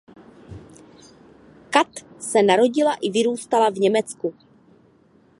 Kat se narodila i vyrůstala v Německu.